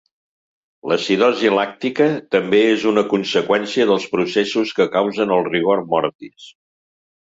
L'acidosi làctica també és una conseqüència dels processos que causen el rigor mortis.